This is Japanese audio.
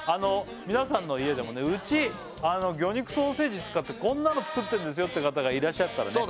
皆さんの家でもねうち魚肉ソーセージ使ってこんなの作ってるんですよって方がいらっしゃったらね